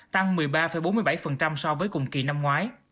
tăng một mươi ba bốn mươi bảy so với cùng kỳ năm ngoái